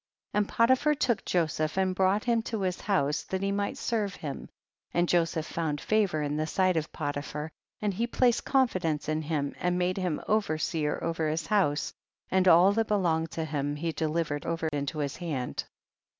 1 1 . And Potiphar took Joseph and brought him to his hoirse that he might serve him, and Joseph found favor in the sight of Potiphar, and he placed confidence in him, and made THE BOOK OF JASHER. 137 him overseer over his house, and all liiat belonged to him he delivered over into his hand.